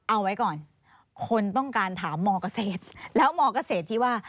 เอาไว้ก่อนคนต้องการถามมเกษตรแล้วมเกษตรที่ว่า